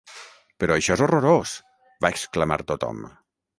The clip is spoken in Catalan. Però això és horrorós!- va exclamar tothom.